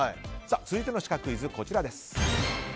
続いてのシカクイズです。